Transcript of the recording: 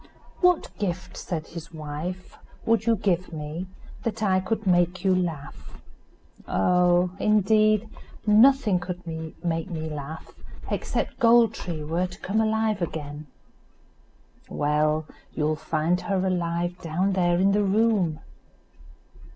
"What gift," said his wife, "would you give me that I could make you laugh?" "Oh! indeed, nothing could make me laugh, except Gold tree were to come alive again." "Well, you'll find her alive down there in the room."